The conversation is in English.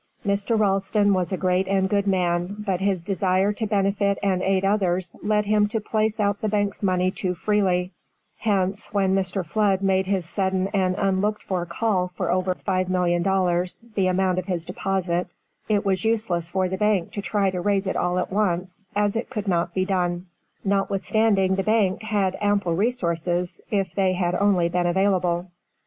Mr. Ralston was a great and good man, but his desire to benefit and aid others led him to place out the bank's money too freely; hence, when Mr. Flood made his sudden and unlooked for call for over $5,000,000, the amount of his deposit, it was useless for the bank to try to raise it at once, as it could not be done, notwithstanding the bank had ample resources, if they had only been available.